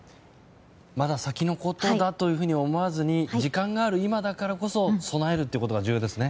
まだ先のことだと思わずに時間がある今だからこそ備えることが重要ですね。